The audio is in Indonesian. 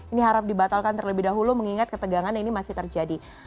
ini harap dibatalkan terlebih dahulu mengingat ketegangan ini masih terjadi